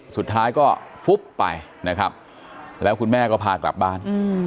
สุดท้ายก็ฟุ๊บไปนะครับแล้วคุณแม่ก็พากลับบ้าน